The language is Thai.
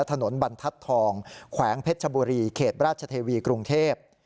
ถนนบรรทัศน์ทองแขวงเพชรชบุรีเขตราชเทวีกรุงเทพ